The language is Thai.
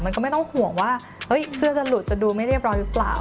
ก็ต้องห่วงว่าเสื้อจะหลุดจะดูไม่เรียบร้อยหรือเปล่า